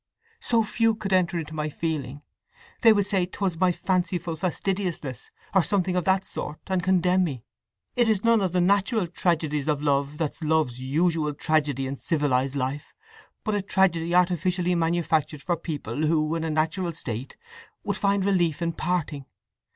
So few could enter into my feeling—they would say 'twas my fanciful fastidiousness, or something of that sort, and condemn me… It is none of the natural tragedies of love that's love's usual tragedy in civilized life, but a tragedy artificially manufactured for people who in a natural state would find relief in parting!